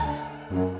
ihh takut sih lo